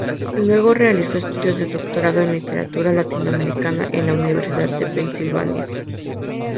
Luego realizó estudios de Doctorado en Literatura Latinoamericana en la Universidad de Pensilvania.